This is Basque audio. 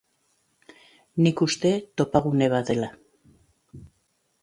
Nik uste topagune bat dela.